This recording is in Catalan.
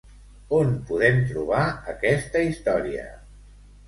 On podem trobar aquesta història?